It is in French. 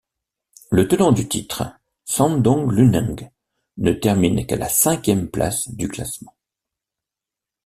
Le tenant du titre, Shandong Luneng, ne termine qu'à la cinquième place du classement.